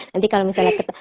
nanti kalau misalnya ketemu